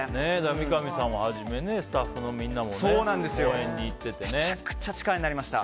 三上さんもはじめスタッフのみんなもめちゃくちゃ力になりました。